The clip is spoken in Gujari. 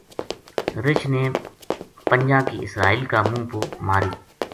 رِچھ نے پنجا کی اسرائیل کا منہ پو ماری